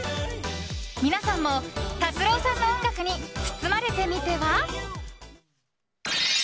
皆さんも達郎さんの音楽に包まれてみては？